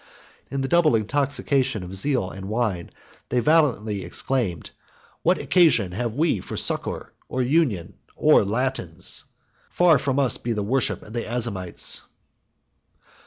In the double intoxication of zeal and wine, they valiantly exclaimed, "What occasion have we for succor, or union, or Latins? Far from us be the worship of the Azymites!"